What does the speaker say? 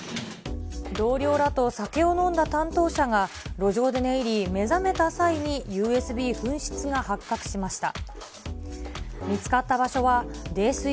同僚らと酒を飲んだ担当者が、路上で寝入り、目覚めた際にＵＳＢ紛失が発覚しました。